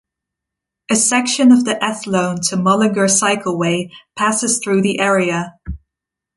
A section of the Athlone to Mullingar Cycleway passes through the area.